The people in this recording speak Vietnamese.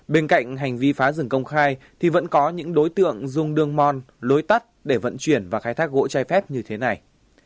bên cạnh hành vi phá rừng công khai thì vẫn có những đối tượng dùng đường mòn lối tắt để vận chuyển và khai thác gỗ trái phép như thế này